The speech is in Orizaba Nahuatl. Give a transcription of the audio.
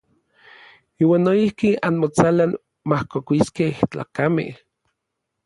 Iuan noijki anmotsalan majkokuiskej tlakamej.